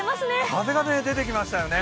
風が出てきましたよね